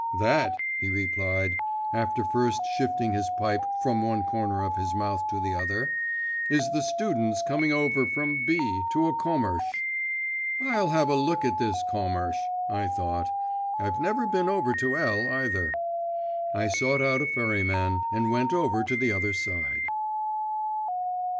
'That,' he replied, after first shifting his pipe from one corner of his mouth to the other, 'is the students come over from B. to a commersh.' 'I'll have a look at this commersh,' I thought. 'I've never been over to L. either.' I sought out a ferryman, and went over to the other side.